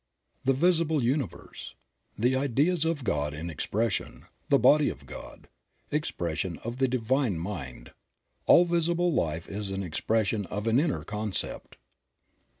The Visible Universe. — The ideas of God in expression, the body of God, expression of the Divine Mind. All visible life is an expression of an inner concept.